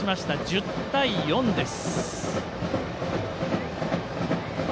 １０対４です。